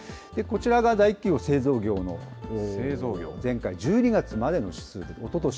こちらが大企業製造業の前回１２月までの指数と。